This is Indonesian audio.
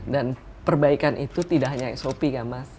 dan perbaikan itu tidak hanya sop mas